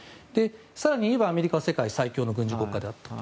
更に言えば、アメリカは世界最強の軍事国家であった。